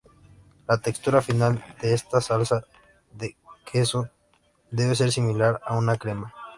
La textura final de esta salsa de queso debe ser similar a una crema.